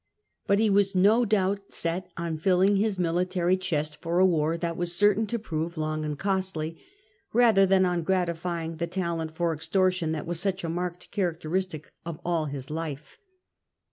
But he was no doubt set on filling his military chest for a war that was certain to prove long and costly, rather than on gratifying the talent for extortion that was such a marked characteristic of all his life.